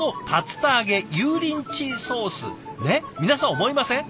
皆さん思いません？